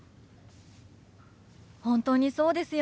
本当にそうですよね。